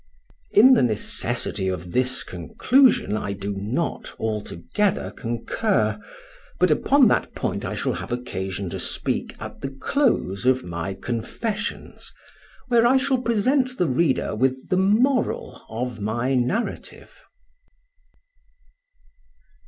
In the necessity of this conclusion I do not altogether concur; but upon that point I shall have occasion to speak at the close of my Confessions, where I shall present the reader with the moral of my narrative.